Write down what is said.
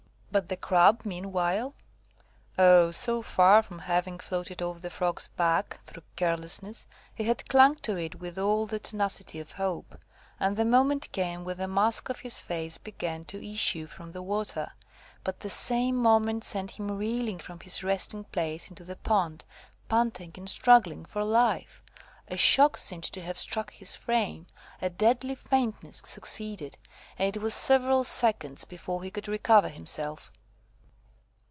But the Grub, meanwhile? Ah, so far from having floated off the Frog's back through carelessness, he had clung to it with all the tenacity of hope, and the moment came when the mask of his face began to issue from the water. But the same moment sent him reeling from his resting place into the pond, panting and struggling for life. A shock seemed to have struck his frame, a deadly faintness succeeded, and it was several seconds before he could recover himself.